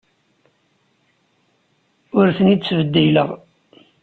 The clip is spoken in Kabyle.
Ur ten-id-ttbeddileɣ.